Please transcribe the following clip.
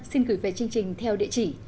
xin gửi về chương trình theo địa chỉ